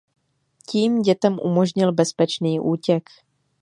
Tím dětem umožnil bezpečný útěk.